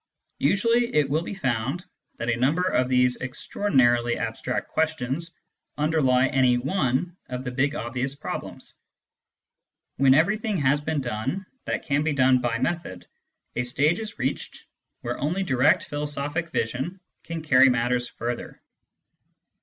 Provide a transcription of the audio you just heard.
Usually it will be found that a number of these extra ordinarily abstract questions underlie any one of the big obvious problems. When everything has been done that can be done by method, a stage is reached where only direct philosophic vision can carry matters further.